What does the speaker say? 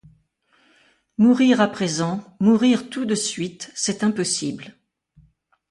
Mourir à présent! mourir tout de suite ! c’est impossible.